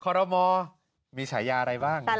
คอลโลมอร์มีฉายาอะไรบ้าง